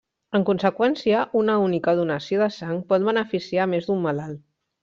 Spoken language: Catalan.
En conseqüència una única donació de sang pot beneficiar a més d'un malalt.